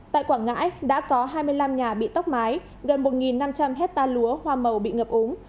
tại quảng ngãi đã có hai mươi năm nhà bị tốc mái gần một năm trăm linh hectare lúa hoa màu bị ngập úng